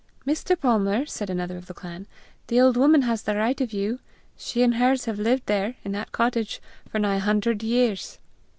"Mr. Palmer," said another of the clan, "the old woman has the right of you: she and hers have lived there, in that cottage, for nigh a hundred years."